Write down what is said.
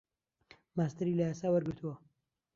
ماستەری لە یاسا وەرگرتووە.